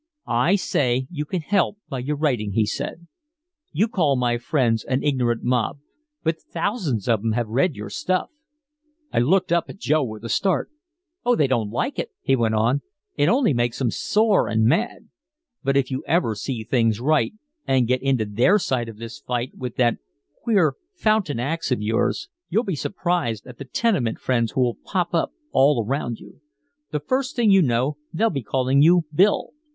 "I say you can help by your writing," he said. "You call my friends an ignorant mob. But thousands of 'em have read your stuff!" I looked up at Joe with a start. "Oh they don't like it," he went on. "It only makes 'em sore and mad. But if you ever see things right, and get into their side of this fight with that queer fountain axe of yours, you'll be surprised at the tenement friends who'll pop up all around you. The first thing you know they'll be calling you 'Bill.'